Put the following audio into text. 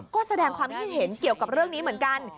ก็แสดงความคิดเห็นเกี่ยวกับเรื่องนี้เหมือนกัน